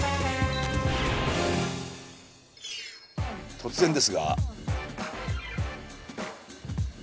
突然ですが。